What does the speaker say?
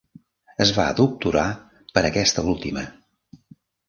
Es va doctorar per aquesta última.